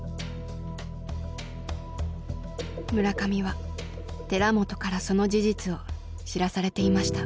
村上は寺本からその事実を知らされていました。